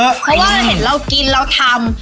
เพราะว่าเห็นเรากินเราทำ